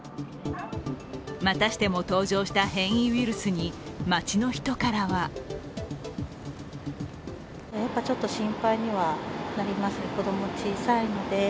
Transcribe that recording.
またしても登場した変異ウイルスに街の人からはやっぱりちょっと心配にはなりますね、子供小さいので。